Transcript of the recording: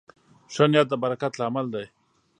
ښه نیت د برکت لامل دی.